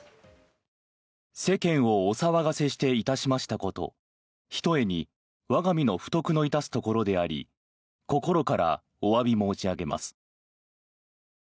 世間をお騒がせしていたしましたことひとえに我が身の不徳の致すところであり心からおわび申し上げます。